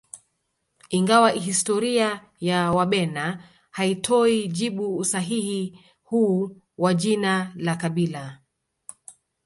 Ingawa historia ya Wabena haitoi jibu usahihi huu wa jina la kabila